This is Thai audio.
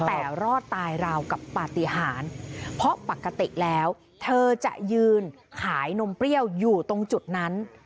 แต่รอดตายราวกับปฏิหารเพราะปกติแล้วเธอจะยืนขายนมเปรี้ยวอยู่ตรงจุดนั้น